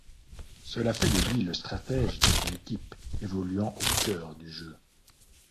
Cela fait de lui le stratège de son équipe, évoluant au cœur du jeu.